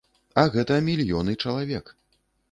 А гэта мільёны чалавек.